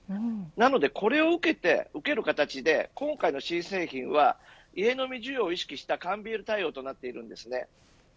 なので、これを受ける形で今回の新製品は家飲み需要を意識した缶ビール対応となってるんですね。